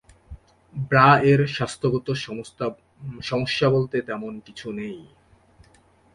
Bra এর স্বাস্থ্যগত সমস্যা বলতে তেমন কিছু নেই।